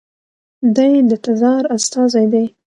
دی د تزار استازی دی.